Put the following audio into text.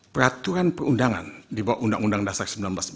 peraturan perundangan di bawah undang undang dasar seribu sembilan ratus empat puluh